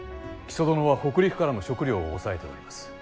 木曽殿は北陸からの食糧を押さえております。